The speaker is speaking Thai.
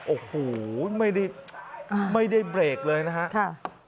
โอ้โหไม่ได้ไม่ได้เบรกเลยนะฮะค่ะ